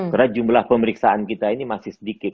karena jumlah pemeriksaan kita ini masih sedikit